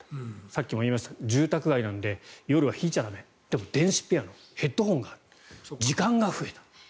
さっき言いましたが住宅街なので夜は弾いちゃ駄目でも、電子ピアノヘッドホンがある時間が増えた。